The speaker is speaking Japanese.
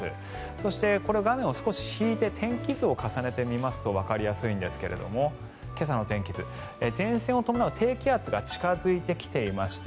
そして、画面を少し引いて天気図を重ねてみるとわかりやすいんですが今朝の天気図前線を伴う低気圧が近付いてきていまして